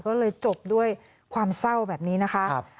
ก็เลยจบด้วยความเศร้าแบบนี้นะคะ